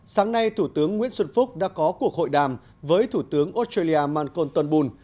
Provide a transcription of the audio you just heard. sáng nay thủ tướng nguyễn xuân phúc đã có cuộc hội đàm với thủ tướng australia mancon tuan bun